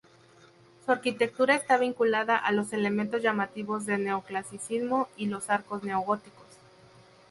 Su arquitectura está vinculada a los elementos llamativos de neoclasicismo y los arcos neogóticos.